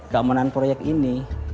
kemanan proyek ini